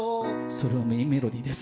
それはメインメロディーです。